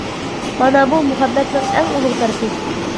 مانا بۇ مۇھەببەتنىڭ ئەڭ ئۇلۇغ تەرىپى.